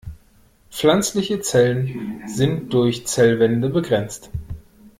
Pflanzliche Zellen sind durch Zellwände begrenzt.